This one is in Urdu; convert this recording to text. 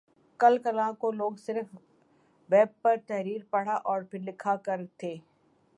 کل کلاں کو لوگ صرف ویب پر تحریر پڑھا اور پھر لکھا کر تھے